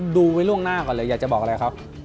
ดูไว้ล่วงหน้าก่อนเลยอยากจะบอกอะไรครับ